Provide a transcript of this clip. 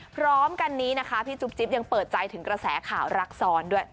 พร้อมกันนี้นะคะพี่จุ๊บจิ๊บยังเปิดใจถึงกระแสข่าวรักซ้อนด้วย